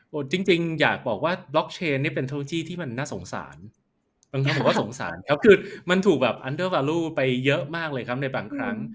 ผมจริงอยากบอกว่าบล็อกเชนนี่เป็นโทษที่มันน่าสงสารบางคนผมก็สงสารครับคือมันถูกแบบอันเดอร์ฟารูไปเยอะมากเลยครับในบางครั้ง